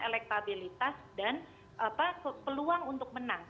elektabilitas dan peluang untuk menang